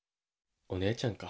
お姉ちゃんか。